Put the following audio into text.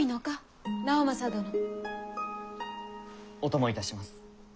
お供いたします。